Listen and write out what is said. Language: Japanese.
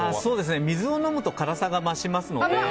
水を飲むと辛さが増しますので。